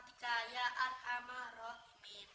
biasanya sih ada kolam nih dan